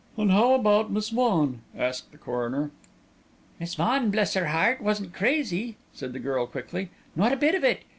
"And how about Miss Vaughan?" asked the coroner. "Miss Vaughan, bless her heart, wasn't crazy," said the girl quickly; "not a bit of it.